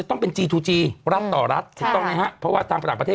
ได้ต้องไงฮะเพราะว่าต่างประธานประเทศ